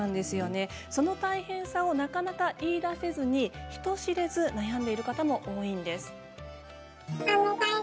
その大変さをなかなか言いだせずに人知れず悩んでいる方も多いんです。